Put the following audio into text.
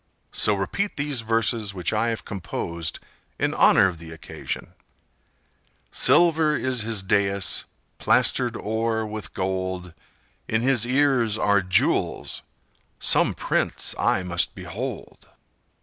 So repeat these verses which I have composed in honor of the occasion: 'Silver is his dais, plastered o'er with gold; In his ears are jewels,—some prince I must behold!